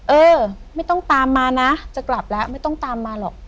เออไม่ต้องตามมานะจะกลับแล้วไม่ต้องตามมาหรอก